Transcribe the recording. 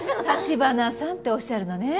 城華さんっておっしゃるのね。